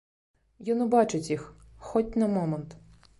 Ён убачыць іх, хоць на момант.